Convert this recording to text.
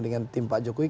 dengan tim pak joki